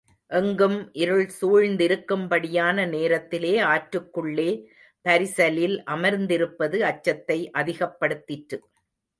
எங்கும் இருள் சூழ்ந்திருக்கும்படியான நேரத்திலே ஆற்றுக்குள்ளே பரிசலில் அமர்ந்திருப்பது அச்சத்தை அதிகப்படுத்திற்று.